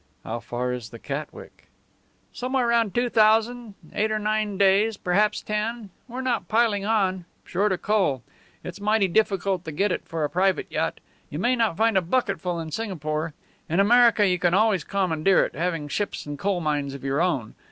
"How far is the Catwick?" "Somewhere round two thousand eight or nine days, perhaps ten. We're not piling on short of coal. It's mighty difficult to get it for a private yacht. You may not find a bucketful in Singapore. In America you can always commandeer it, having ships and coal mines of your own.